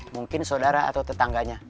mungkin saudara atau tetangganya